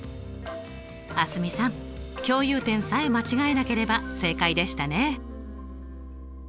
蒼澄さん共有点さえ間違えなければ正解でしたね。